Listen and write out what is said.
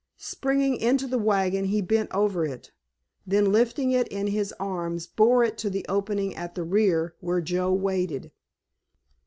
Springing into the wagon he bent over it, then lifting it in his arms bore it to the opening at the rear, where Joe waited.